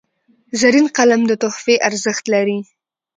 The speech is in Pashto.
زرین قلم د تحفې ارزښت لري.